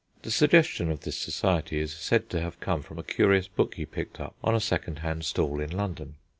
The suggestion of this society is said to have come from a curious book he picked up on a second hand stall in London.